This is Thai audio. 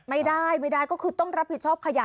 ไม่ได้ไม่ได้ก็คือต้องรับผิดชอบขยะ